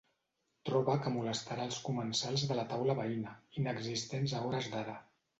Troba que molestarà els comensals de la taula veïna, inexistents a hores d'ara.